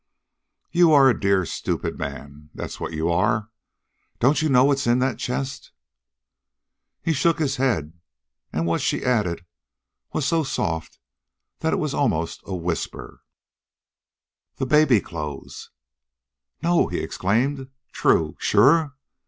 "You are a dear stupid man, that's what you are. Don't you know what is in the chest?" He shook his head, and what she added was so soft that it was almost a whisper: "The baby clothes." "No!" he exclaimed. "True." "Sure?"